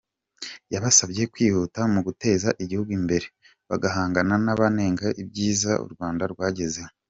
Yabasabye kwihuta mu guteza Igihugu imbere, bagahangana n’abanenga ibyiza u Rwanda rwagezeho.